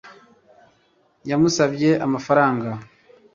Yamusabye amafaranga